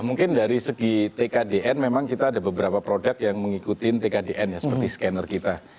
mungkin dari segi tkdn memang kita ada beberapa produk yang mengikuti tkdn ya seperti scanner kita